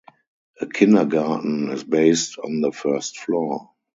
A kindergarten is based on the first floor.